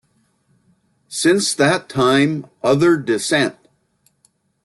Since that time other Dissent!